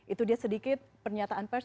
itu dia sedikit pernyataan pers